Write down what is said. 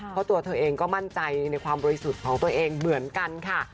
เพราะตัวเธอเองก็มั่นใจในความบริสุทธิ์ของตัวเองเหมือนกันค่ะ